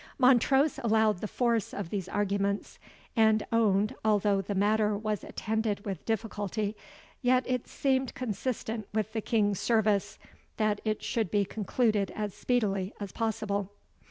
Montrose allowed the force of these arguments, and owned, although the matter was attended with difficulty, yet it seemed consistent with the King's service that it should be concluded as speedily as possible.